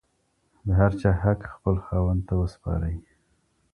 د هر چا حق خپل خاوند ته وسپارئ.